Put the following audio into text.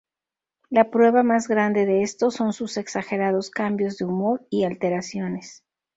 La prueba más grande de esto son sus exagerados cambios de humor y alteraciones.